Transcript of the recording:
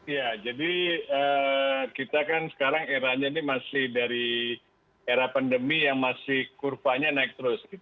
ya jadi kita kan sekarang eranya ini masih dari era pandemi yang masih kurvanya naik terus